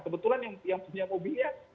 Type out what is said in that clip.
kebetulan yang punya mobilnya